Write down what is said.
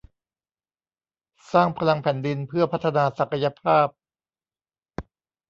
สร้างพลังแผ่นดินเพื่อพัฒนาศักยภาพ